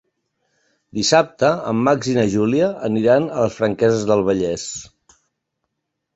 Dissabte en Max i na Júlia aniran a les Franqueses del Vallès.